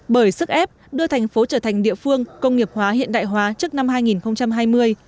bởi sức ép đưa thành phố trở thành địa phương công nghiệp hóa hiện đại hóa trước năm hai nghìn hai mươi